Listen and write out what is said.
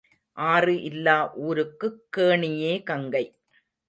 ஆறு இல்லா ஊருக்குக் கேணியே கங்கை.